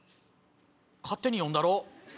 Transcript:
勝手に読んだろ。